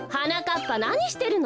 っぱなにしてるの？